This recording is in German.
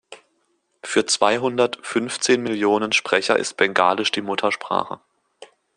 Für zweihundertfünfzehn Millionen Sprecher ist Bengalisch die Muttersprache.